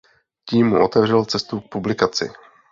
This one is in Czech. Tím mu otevřel cestu k publikaci.